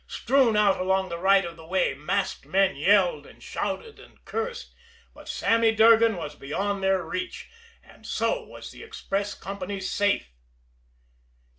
Strewn out along the right of way masked men yelled and shouted and cursed, but Sammy Durgan was beyond their reach and so was the express company's safe.